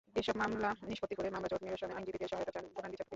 এসব মামলা নিষ্পত্তি করে মামলাজট নিরসনে আইনজীবীদের সহায়তা চান প্রধান বিচারপতি।